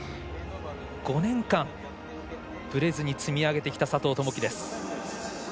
５年間、ぶれずに積み上げてきた佐藤友祈です。